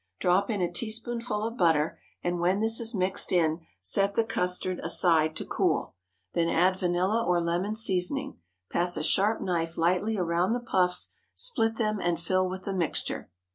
Drop in a teaspoonful of butter, and when this is mixed in, set the custard aside to cool. Then add vanilla or lemon seasoning; pass a sharp knife lightly around the puffs, split them, and fill with the mixture.